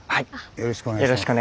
よろしくお願いします。